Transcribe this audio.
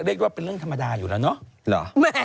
เรียกว่าเป็นเรื่องธรรมดาอยู่แล้วเนาะ